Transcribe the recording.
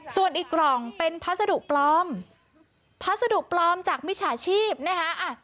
ส่วนอีกกล่องเป็นพัสดุปลอมพัสดุปลอมจากมิจฉาชีพนะคะ